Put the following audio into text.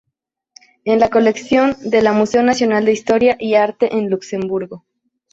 Es en la colección de la Museo Nacional de Historia y Arte en Luxemburgo.